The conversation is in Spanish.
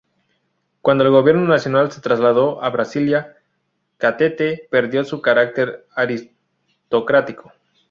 Cuando el gobierno nacional se trasladó a Brasilia, Catete perdió su carácter aristocrático.